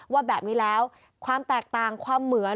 ว่าแบบนี้แล้วความแตกต่างความเหมือน